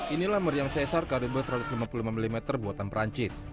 inilah meriam cesar k dua satu ratus lima puluh lima mm buatan perancis